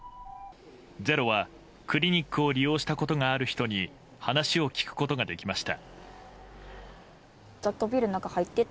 「ｚｅｒｏ」はクリニックを利用したことがある人に話を聞くことができました。